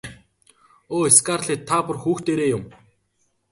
Өө Скарлетт та бүр хүүхдээрээ юм.